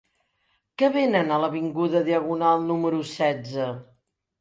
Què venen a l'avinguda Diagonal número setze?